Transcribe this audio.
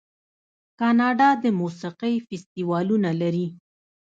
کاناډا د موسیقۍ فستیوالونه لري.